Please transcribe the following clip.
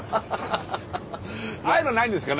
ああいうのないんですか？